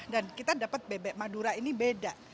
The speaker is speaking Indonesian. dan kita dapat bebek madura ini beda